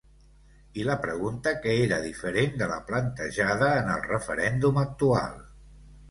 I la pregunta que era diferent de la plantejada en el referèndum actual.